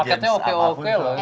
paket paketnya oke oke loh kayaknya